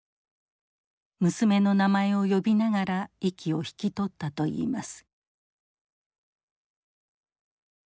娘の名前を呼びながら息を引き取ったといいます。